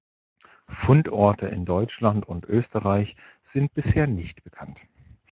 Fundorte in Deutschland und Österreich sind bisher nicht bekannt.